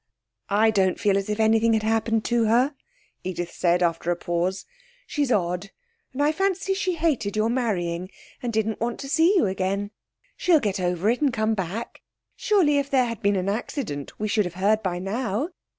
'I don't feel as if anything had happened to her,' Edith said, after a pause. 'She's odd, and I fancy she hated your marrying, and didn't want to see you again. She'll get over it and come back. Surely if there had been an accident, we should have heard by now.